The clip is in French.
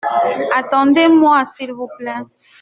Attendez-moi s’il vous plait.